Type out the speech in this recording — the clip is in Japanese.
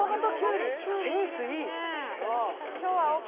センスいい！